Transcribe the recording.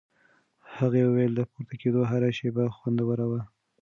هغې وویل د پورته کېدو هره شېبه خوندوره وه.